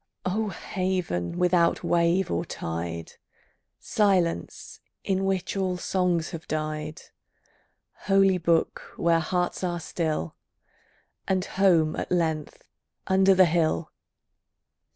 O haven without wave or tide! Silence, in which all songs have died! Holy book, where hearts are still! And home at length under the hill!